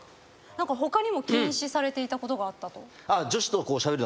何か他にも禁止されていたことがあったと。